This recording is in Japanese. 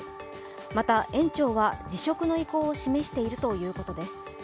また、園長は辞職の意向を示しているということです。